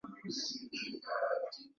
ee huwezi huwezi kuona ile tangible